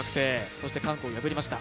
そして韓国を破りました。